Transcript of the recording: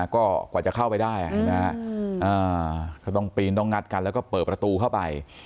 ก็กว่าจะเข้าไปได้เห็นไหมฮะก็ต้องปีนต้องงัดกันแล้วก็เปิดประตูเข้าไป